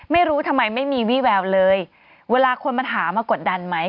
ไม่รู้ทำไมไม่มีวี่แววเลยเวลาคนมาถามมากดดันไหม